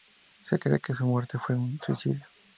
Se cree que su muerte fue un suicidio.